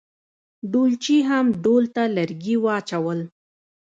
ډولچي هم ډول ته لرګي واچول.